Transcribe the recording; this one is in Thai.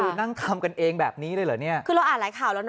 คือนั่งทำกันเองแบบนี้เลยเหรอเนี่ยคือเราอ่านหลายข่าวแล้วนะ